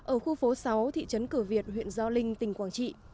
ở khu phố sáu thị trấn cửa việt huyện gio linh tỉnh quảng trị